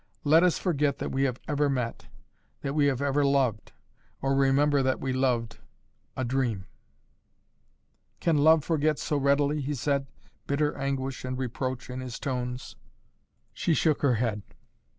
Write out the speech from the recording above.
"Let us forget that we have ever met that we have ever loved, or remember that we loved a dream." "Can love forget so readily?" he said, bitter anguish and reproach in his tones. She shook her head.